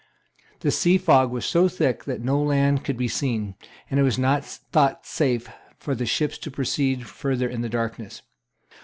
The sea fog was so thick that no land could be seen; and it was not thought safe for the ships to proceed further in the darkness.